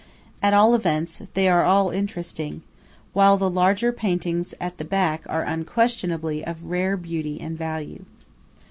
At all events they are all interesting; while the larger paintings at the back are unquestionably of rare beauty and value.